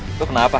nanti kita cari